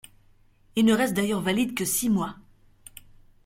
Il ne reste d'ailleurs valide que six mois.